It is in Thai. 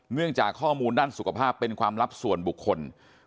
เนื่องจากข้อมูลด้านสุขภาพเป็นความลับส่วนบุคคล